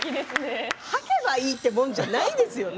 吐けばいいってもんじゃないですよね。